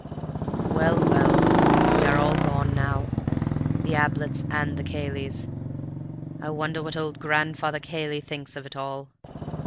"Well, well, we are all gone now—the Abletts and the Cayleys. I wonder what old Grandfather Cayley thinks of it all.